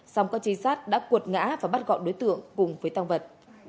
xong các trinh sát đã cuột ngã và bắt gọi đối tượng cùng với tăng vật